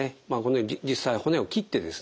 実際骨を切ってですね